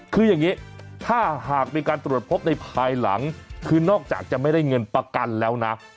คืออย่างนี้ถ้าหากมีการตรวจพบในภายหลังคือนอกจากจะไม่ได้เงินประกันแล้วนะ